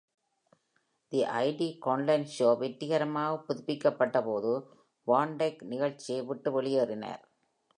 "தி Judy Garland show" வெற்றிகரமாக புதுப்பிக்கப்பட்டபோது, வான் டைக் நிகழ்ச்சியை விட்டு வெளியேறினார்.